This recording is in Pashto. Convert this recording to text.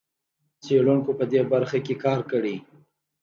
څېړونکو په دې برخه کې کار کړی.